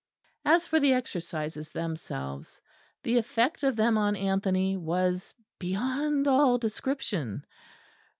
As for the Exercises themselves, the effect of them on Anthony was beyond all description.